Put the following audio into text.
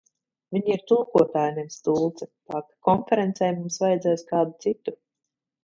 Viņa ir tulkotāja, nevis tulce, tā ka konferencei mums vajadzēs kādu citu.